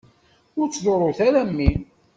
Ur ttḍurrut ara mmi!